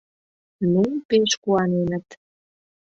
Ну, пеш куаненыт.